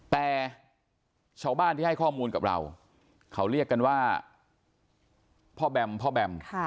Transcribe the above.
แต่ชาวบ้านที่ให้ข้อมูลกับเราเขาเรียกกันว่าพ่อแบมพ่อแบม